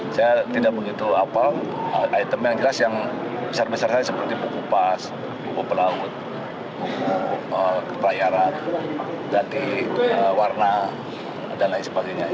saya tidak begitu item yang jelas yang besar besar saya seperti buku pas buku pelaut buku pelayaran ganti warna dan lain sebagainya